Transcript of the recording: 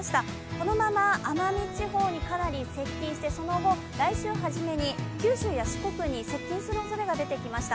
このまま奄美地方にかなり接近して、その後、来週初めに九州や四国に接近するおそれが出てきました。